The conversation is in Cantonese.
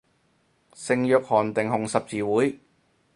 聖約翰定紅十字會